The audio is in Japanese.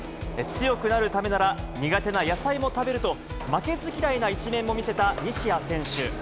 強くなるためなら苦手な野菜も食べると、負けず嫌いな一面も見せた西矢選手。